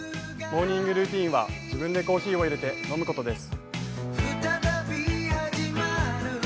モーニングルーティンは自分でコーヒーを入れて飲むことです。